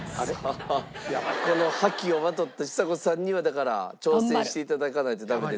この覇気をまとったちさ子さんにはだから挑戦して頂かないとダメですから。